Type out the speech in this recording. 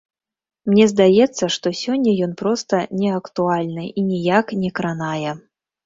Мне здаецца, што сёння ён проста неактуальны і ніяк не кранае.